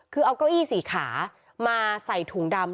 คือเอาเก้าอี้สี่ขามาใส่ถุงดำ